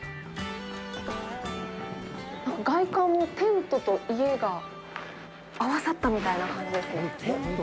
外観も、テントと家が合わさったみたいな感じですね。